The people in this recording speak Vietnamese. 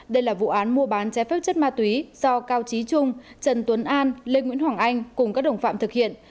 đây là vụ án mua bán trái phép chất ma túy do cao trí trung trần tuấn an lê nguyễn hoàng anh cùng các đồng phạm thực hiện